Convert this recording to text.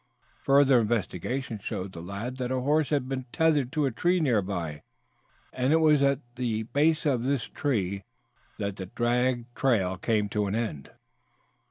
Further investigation showed the lad that a horse had been tethered to a tree nearby, and it was at the base of this tree that the dragged trail came to an end.